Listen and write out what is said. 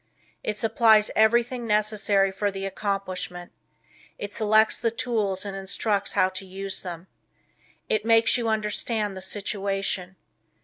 It supplies everything necessary for the accomplishment, it selects the tools and instructs how to use them. It makes you understand the situation.